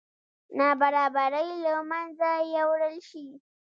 نابرابرۍ له منځه یوړل شي.